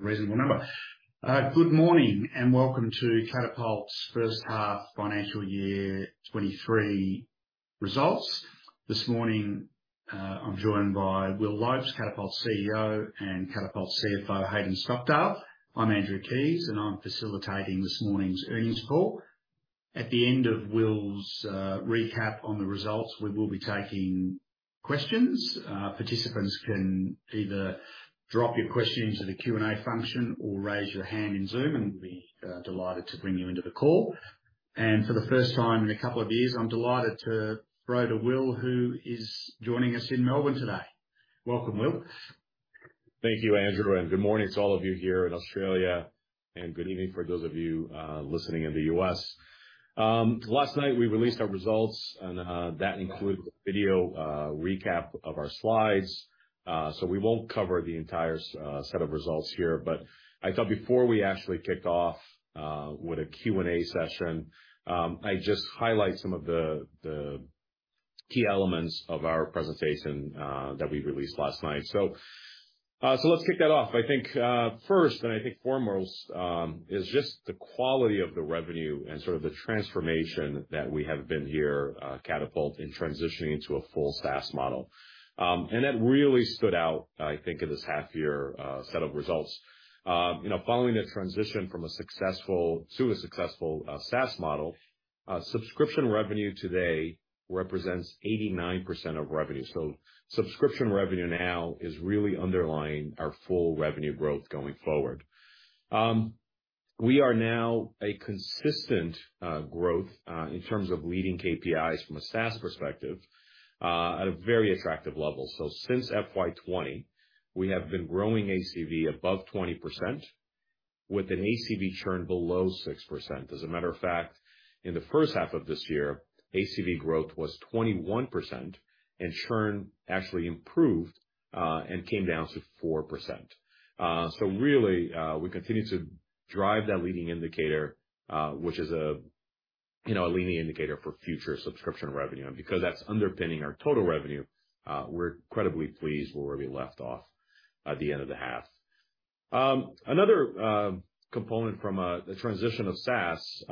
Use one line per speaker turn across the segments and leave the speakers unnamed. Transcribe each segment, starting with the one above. Good morning and welcome to Catapult's first half financial year 2023 results. This morning, I'm joined by Will Lopes, Catapult's CEO, and Catapult's CFO, Hayden Stockdale. I'm Andrew Keys, and I'm facilitating this morning's earnings call. At the end of Will's recap on the results, we will be taking questions. Participants can either drop your questions in the Q&A function or raise your hand in Zoom, and we'd be delighted to bring you into the call. For the first time in a couple of years, I'm delighted to throw to Will, who is joining us in Melbourne today. Welcome, Will.
Thank you, Andrew, and good morning to all of you here in Australia and good evening for those of you listening in the U.S. Last night we released our results and that included a video recap of our slides. We won't cover the entire set of results here, but I thought before we actually kick off with a Q&A session, I just highlight some of the key elements of our presentation that we released last night. Let's kick that off. I think first and I think foremost is just the quality of the revenue and sort of the transformation that we have been here Catapult in transitioning to a full SaaS model. That really stood out, I think, in this half year set of results. You know, following that transition to a successful SaaS model, subscription revenue today represents 89% of revenue. Subscription revenue now is really underlying our full revenue growth going forward. We are now a consistent growth in terms of leading KPIs from a SaaS perspective at a very attractive level. Since FY 2020, we have been growing ACV above 20% with an ACV churn below 6%. As a matter of fact, in the first half of this year, ACV growth was 21% and churn actually improved and came down to 4%. Really, we continue to drive that leading indicator, which is, you know, a leading indicator for future subscription revenue. Because that's underpinning our total revenue, we're incredibly pleased where we left off at the end of the half. Another component from the transition of SaaS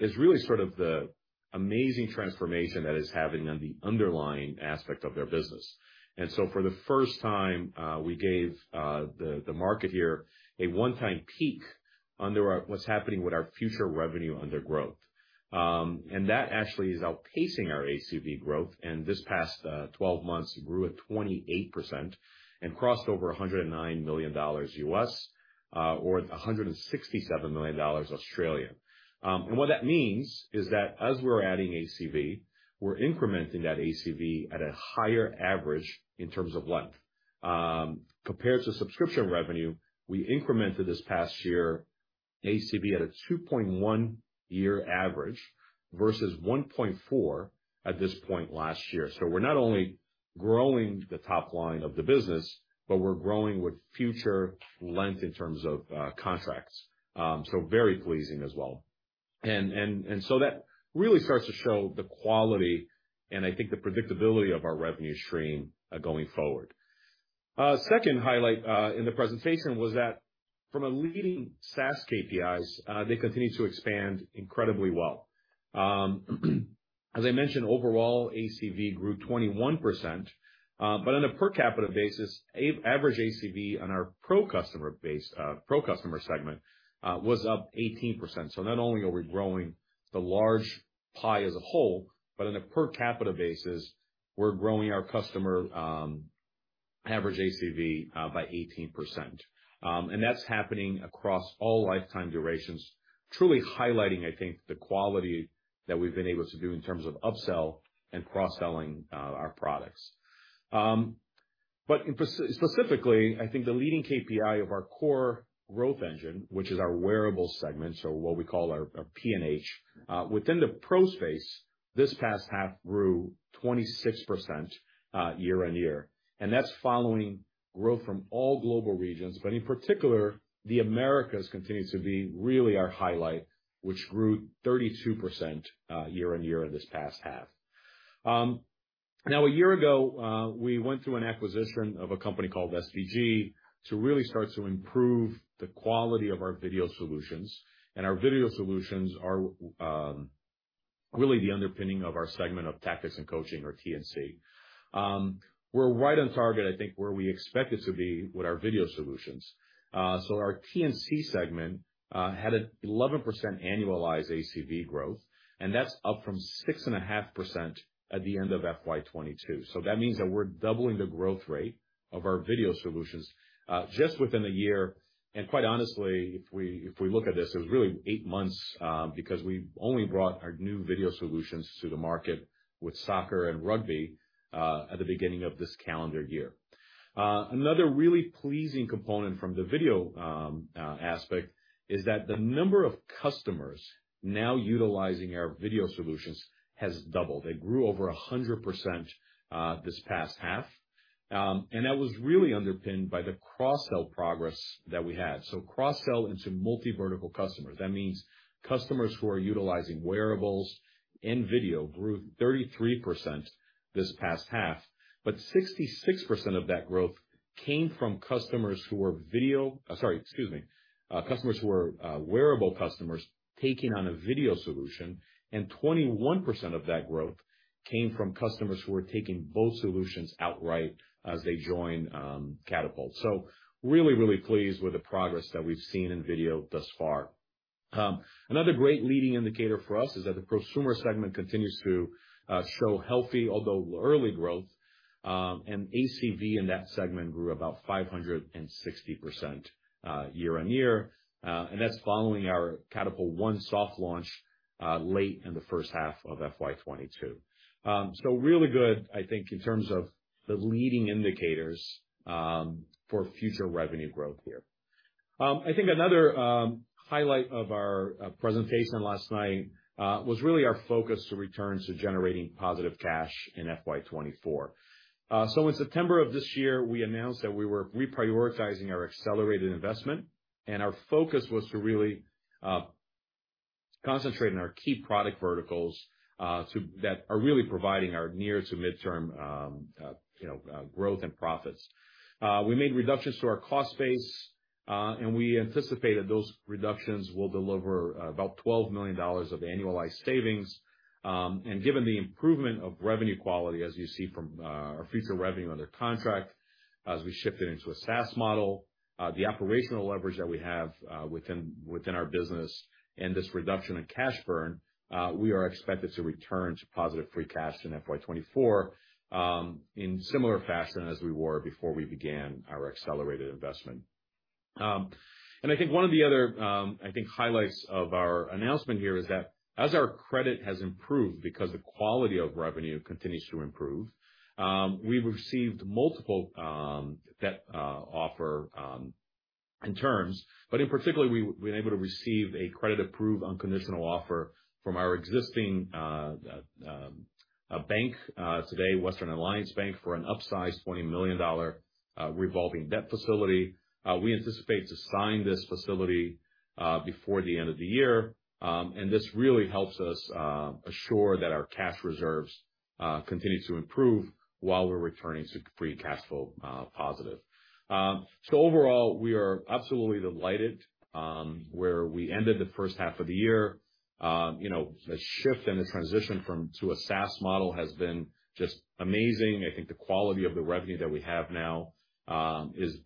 is really sort of the amazing transformation that is having on the underlying aspect of their business. For the first time, we gave the market here a one-time peek under our hood, what's happening with our future revenue and growth. That actually is outpacing our ACV growth, and this past 12 months grew at 28% and crossed over $109 million, or 167 million dollars. What that means is that as we're adding ACV, we're incrementing that ACV at a higher average in terms of length. Compared to subscription revenue, we incremented this past year ACV at a 2.1-year average versus 1.4 at this point last year. We're not only growing the top line of the business, but we're growing with future length in terms of contracts. Very pleasing as well. That really starts to show the quality and I think the predictability of our revenue stream going forward. Second highlight in the presentation was that from a leading SaaS KPIs, they continued to expand incredibly well. As I mentioned, overall ACV grew 21%. But on a per capita basis, average ACV on our pro customer base, pro customer segment, was up 18%. Not only are we growing the large pie as a whole, but on a per capita basis, we're growing our customer average ACV by 18%. And that's happening across all lifetime durations, truly highlighting, I think, the quality that we've been able to do in terms of upsell and cross-selling our products. But specifically, I think the leading KPI of our core growth engine, which is our wearable segment, so what we call our P&H, within the pro space this past half grew 26% year-on-year. That's following growth from all global regions, but in particular, the Americas continues to be really our highlight, which grew 32% year-on-year in this past half. Now a year ago, we went through an acquisition of a company called SBG to really start to improve the quality of our video solutions. Our video solutions are really the underpinning of our segment of tactics and coaching or T&C. We're right on target, I think, where we expect it to be with our video solutions. Our T&C segment had an 11% annualized ACV growth, and that's up from 6.5% at the end of FY 2022. That means that we're doubling the growth rate of our video solutions just within a year. Quite honestly, if we look at this, it was really eight months because we only brought our new video solutions to the market with soccer and rugby at the beginning of this calendar year. Another really pleasing component from the video aspect is that the number of customers now utilizing our video solutions has doubled. They grew over 100% this past half. That was really underpinned by the cross-sell progress that we had. Cross-sell into multi-vertical customers. That means customers who are utilizing wearables and video grew 33% this past half, but 66% of that growth came from wearable customers taking on a video solution, and 21% of that growth came from customers who were taking both solutions outright as they joined Catapult. Really pleased with the progress that we've seen in video thus far. Another great leading indicator for us is that the prosumer segment continues to show healthy, although early growth, and ACV in that segment grew about 560%, year-on-year. That's following our Catapult One soft launch, late in the first half of FY 2022. Really good, I think, in terms of the leading indicators, for future revenue growth here. I think another highlight of our presentation last night was really our focus to return to generating positive cash in FY 2024. In September of this year, we announced that we were reprioritizing our accelerated investment, and our focus was to really concentrate on our key product verticals that are really providing our near to mid-term, you know, growth and profits. We made reductions to our cost base, and we anticipate that those reductions will deliver about 12 million dollars of annualized savings. Given the improvement of revenue quality, as you see from our fees and revenue under contract, as we shifted into a SaaS model, the operational leverage that we have within our business and this reduction in cash burn, we are expected to return to positive free cash in FY 2024, in similar fashion as we were before we began our accelerated investment. I think one of the other highlights of our announcement here is that as our credit has improved because the quality of revenue continues to improve, we've received multiple debt offers and terms, but in particular, we've been able to receive a credit-approved unconditional offer from our existing bank today, Western Alliance Bank, for an upsized 20 million dollar revolving debt facility. We anticipate to sign this facility before the end of the year, and this really helps us assure that our cash reserves continue to improve while we're returning to free cash flow positive. Overall, we are absolutely delighted where we ended the first half of the year. You know, the shift and the transition to a SaaS model has been just amazing. I think the quality of the revenue that we have now is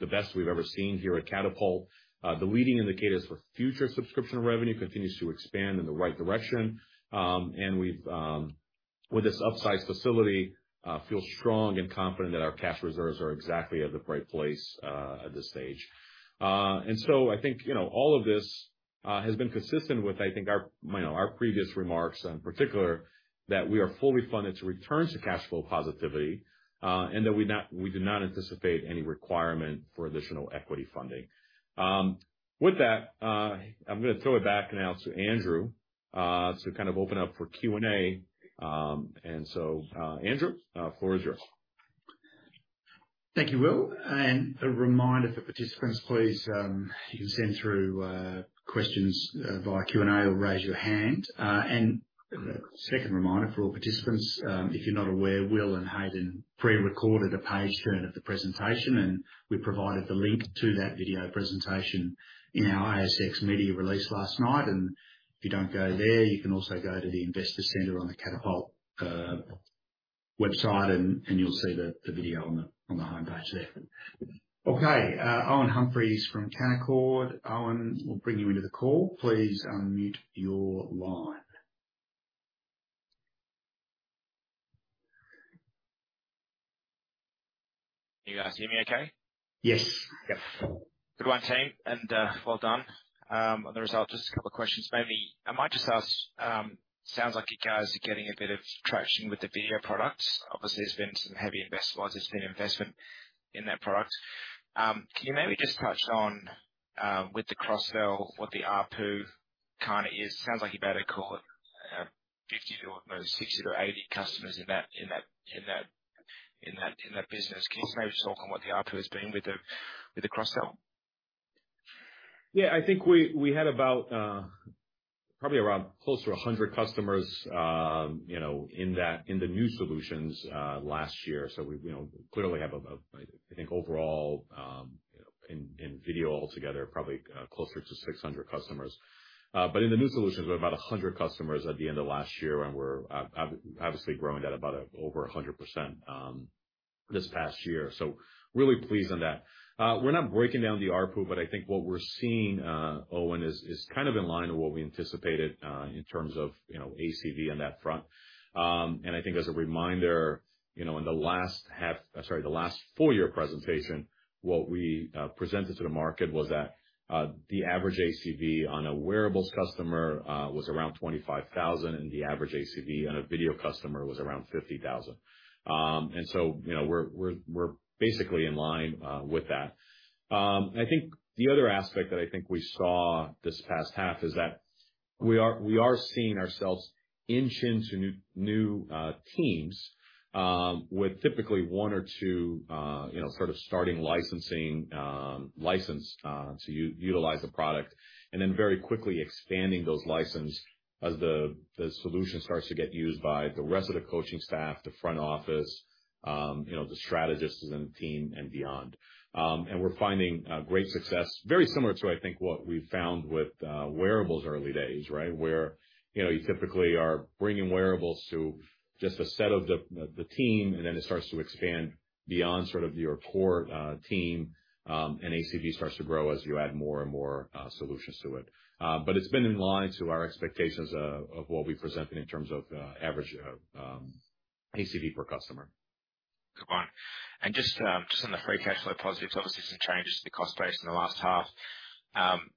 the best we've ever seen here at Catapult. The leading indicators for future subscription revenue continues to expand in the right direction. We, with this upsized facility, feel strong and confident that our cash reserves are exactly at the right place at this stage. I think, you know, all of this has been consistent with, I think, our, you know, our previous remarks, in particular, that we are fully funded to return to cash flow positivity, and that we do not anticipate any requirement for additional equity funding. With that, I'm gonna throw it back now to Andrew, to kind of open up for Q&A. Andrew, the floor is yours.
Thank you, Will. A reminder for participants, please, you can send through questions via Q&A or raise your hand. Second reminder for all participants, if you're not aware, Will and Hayden pre-recorded a page turn of the presentation, and we provided the link to that video presentation in our ASX media release last night. If you don't go there, you can also go to the investor center on the Catapult website and you'll see the video on the homepage there. Okay. Owen Humphries from Canaccord. Owen, we'll bring you into the call. Please unmute your line.
Can you guys hear me okay?
Yes.
Yes.
Good one, team. Well done on the results. Just a couple questions. Maybe I might just ask. Sounds like you guys are getting a bit of traction with the video products. Obviously, there's been some heavy investment in that product. Can you maybe just touch on, with the cross-sell, what the ARPU kinda is? Sounds like you've had a cohort of 50 or almost 60 to 80 customers in that business. Can you maybe just talk on what the ARPU has been with the cross-sell?
Yeah. I think we had about probably around close to 100 customers you know in that in the new solutions last year. We you know clearly have about I think overall in video altogether probably closer to 600 customers. But in the new solutions we have about 100 customers at the end of last year and we're obviously growing at about over 100% this past year. Really pleased on that. We're not breaking down the ARPU but I think what we're seeing Owen is kind of in line with what we anticipated in terms of you know ACV on that front. I think as a reminder, you know, in the last full year presentation, what we presented to the market was that the average ACV on a wearables customer was around 25,000, and the average ACV on a video customer was around 50,000. You know, we're basically in line with that. I think the other aspect that I think we saw this past half is that we are seeing ourselves inch into new teams with typically one or two, you know, sort of starting licensing to utilize the product, and then very quickly expanding those license as the solution starts to get used by the rest of the coaching staff, the front office. You know, the strategists and the team and beyond. We're finding great success, very similar to, I think, what we found with wearables early days, right? Where, you know, you typically are bringing wearables to just a set of the team, and then it starts to expand beyond sort of your core team, and ACV starts to grow as you add more and more solutions to it. But it's been in line to our expectations of what we presented in terms of average ACV per customer.
Good one. Just on the free cash flow positives, obviously some changes to the cost base in the last half.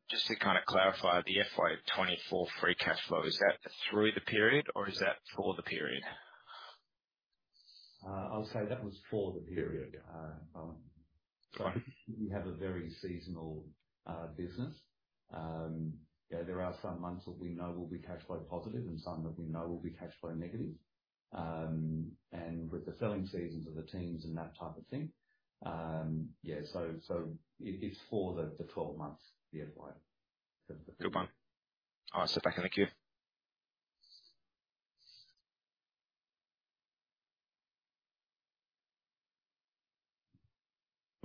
Just to kinda clarify, the FY 2024 free cash flow, is that through the period or is that for the period?
I'll say that was for the period. We have a very seasonal business. You know, there are some months that we know will be cash flow positive and some that we know will be cash flow negative. With the selling seasons of the teams and that type of thing, it's for the 12 months, the FY.
Good one. All right, thank you.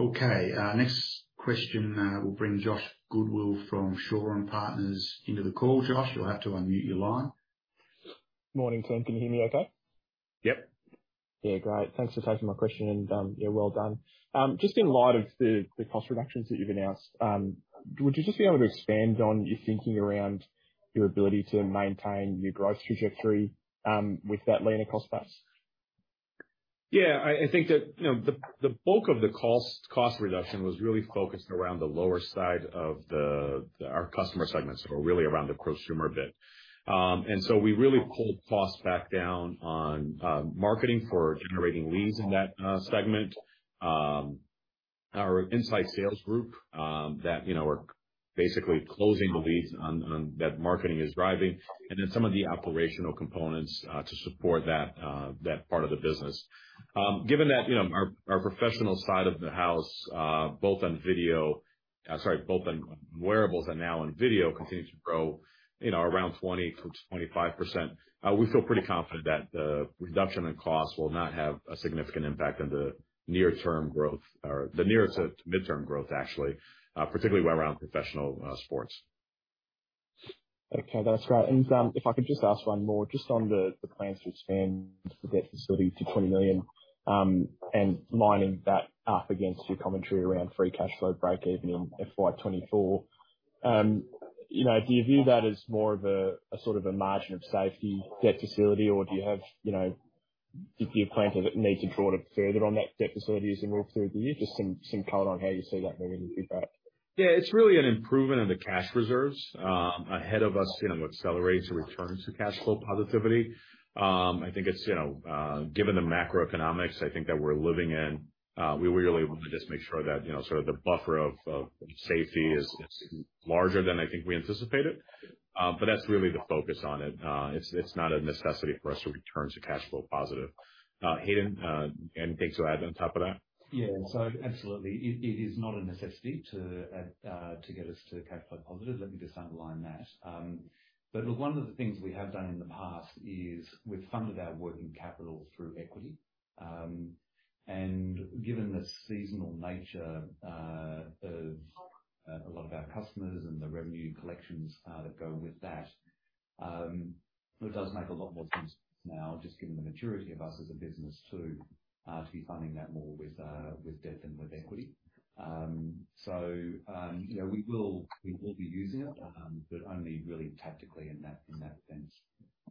Okay, our next question will bring Josh Goodwill from Shaw and Partners into the call. Josh, you'll have to unmute your line.
Morning, team. Can you hear me okay?
Yep.
Yeah, great. Thanks for taking my question and, yeah, well done. Just in light of the cost reductions that you've announced, would you just be able to expand on your thinking around your ability to maintain your growth trajectory with that leaner cost base?
Yeah. I think that, you know, the bulk of the cost reduction was really focused around the lower side of our customer segments or really around the prosumer bit. We really pulled costs back down on marketing for generating leads in that segment. Our inside sales group that, you know, are basically closing the leads on that marketing is driving. Some of the operational components to support that part of the business. Given that, you know, our professional side of the house, both on wearables and now on video, continue to grow, you know, around 20%-25%. We feel pretty confident that the reduction in costs will not have a significant impact on the near-term growth or the near to midterm growth actually, particularly around professional sports.
Okay, that's great. If I could just ask one more, just on the plans to expand the debt facility to 20 million, and lining that up against your commentary around free cash flow breakeven in FY 2024. You know, do you view that as more of a sort of a margin of safety debt facility, or do you have, you know, if you plan to need to draw it further on that debt facility as we move through the year? Just some color on how you see that moving into that.
Yeah. It's really an improvement in the cash reserves ahead of us, you know, accelerating returns to cash flow positivity. I think it's, you know, given the macroeconomics, I think, that we're living in, we really wanna just make sure that, you know, sort of the buffer of safety is larger than I think we anticipated. That's really the focus on it. It's not a necessity for us to return to cash flow positive. Hayden, anything to add on top of that?
Yeah. Absolutely, it is not a necessity to get us to cash flow positive. Let me just underline that. One of the things we have done in the past is we've funded our working capital through equity. Given the seasonal nature of a lot of our customers and the revenue collections that go with that, it does make a lot more sense now just given the maturity of us as a business to be funding that more with debt and with equity. You know, we will be using it, but only really tactically in that sense.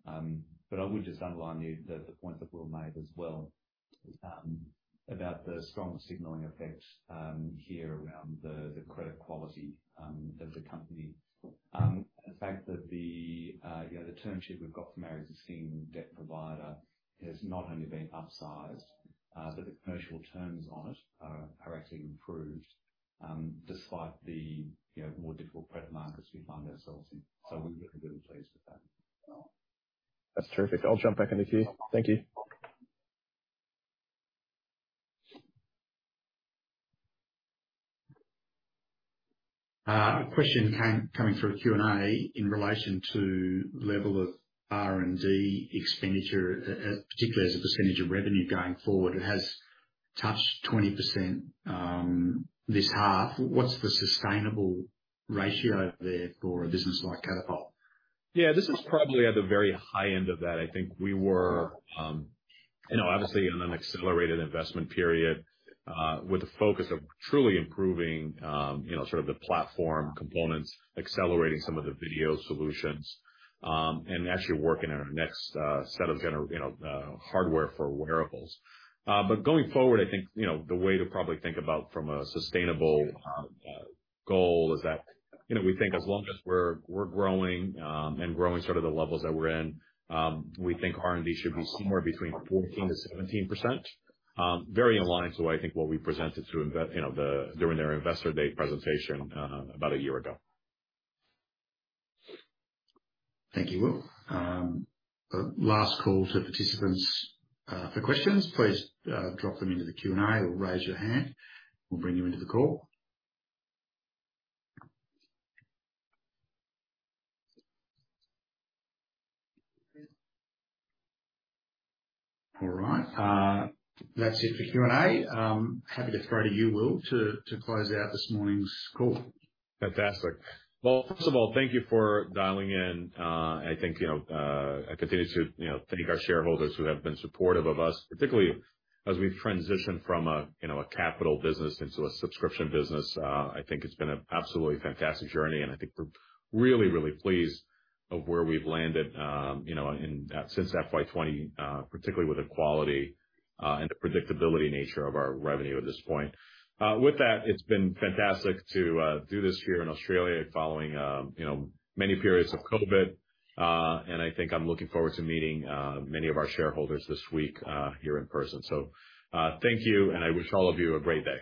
I would just underline you the point that Will made as well, about the strong signaling effect here around the credit quality of the company. The fact that you know the term sheet we've got from our existing debt provider has not only been upsized, but the commercial terms on it are actually improved, despite you know the more difficult credit markets we find ourselves in. We're really pleased with that.
That's terrific. I'll jump back in the queue. Thank you.
A question came through the Q&A in relation to level of R&D expenditure, particularly as a percentage of revenue going forward. It has touched 20%, this half. What's the sustainable ratio there for a business like Catapult?
Yeah. This is probably at the very high end of that. I think we were, you know, obviously in an accelerated investment period with the focus of truly improving, you know, sort of the platform components, accelerating some of the video solutions, and actually working on our next set of generation hardware for wearables. Going forward, I think, you know, the way to probably think about from a sustainable goal is that, you know, we think as long as we're growing and growing sort of the levels that we're in, we think R&D should be somewhere between 14%-17%. Very in line with what I think we presented during our Investor Day presentation about a year ago.
Thank you, Will. Last call to participants for questions. Please drop them into the Q&A or raise your hand. We'll bring you into the call. All right. That's it for Q&A. I'm happy to throw to you, Will, to close out this morning's call.
Fantastic. Well, first of all, thank you for dialing in. I think, you know, I continue to, you know, thank our shareholders who have been supportive of us, particularly as we transition from a, you know, a capital business into a subscription business. I think it's been an absolutely fantastic journey, and I think we're really, really pleased of where we've landed, you know, in, since FY 2020, particularly with the quality, and the predictability nature of our revenue at this point. With that, it's been fantastic to do this here in Australia following, you know, many periods of COVID. I think I'm looking forward to meeting many of our shareholders this week, here in person. Thank you, and I wish all of you a great day.